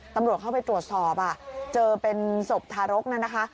ตำรวจเข้าไปตรวจสอบเจอเป็นศพทารกนั่นนะคะ